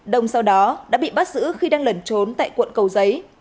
đông sau đó đã bị bắt giữ khi đang lẩn trốn tại quận cầu giấy